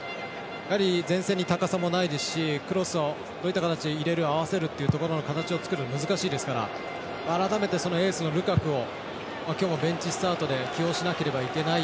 やはり前線に高さもないですしクロスをどういった形で合わせるっていうことは難しいですから改めてエースのルカクを今日もベンチスタートで起用しなければいけない。